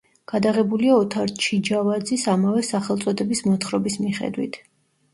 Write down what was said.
გადაღებულია ოთარ ჩიჯავაძის ამავე სახელწოდების მოთხრობის მიხედვით.